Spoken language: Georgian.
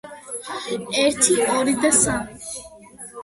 ერთი, ორი და სამი.